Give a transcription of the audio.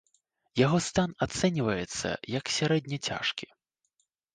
Яго стан ацэньваецца як сярэдне цяжкі.